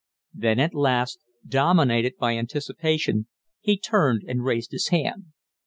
Then at last, dominated by anticipation, he turned and raised his hand.